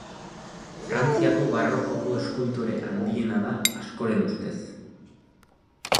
Frantziako Barrokoko eskultore handiena da, askoren ustez.